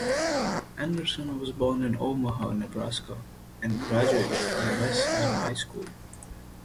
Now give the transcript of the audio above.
Andersen was born in Omaha, Nebraska and graduated from Westside High School.